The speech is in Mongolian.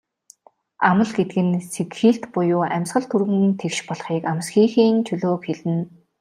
Амал гэдэг нь сэгхийлт буюу амьсгал түргэн тэгш болохыг, амсхийхийн чөлөөг хэлнэ.